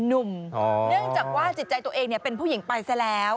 เนื่องจากว่าจิตใจตัวเองเป็นผู้หญิงไปซะแล้ว